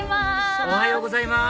おはようございます